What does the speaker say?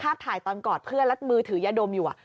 ภาพถ่ายตอนกอดเพื่อนและมือถือยะดมยงอยู่อ่ะ